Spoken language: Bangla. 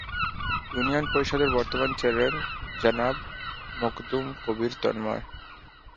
ইউনিয়ন পরিষদের বর্তমান চেয়ারম্যান জনাব মখদুম কবির তন্ময়।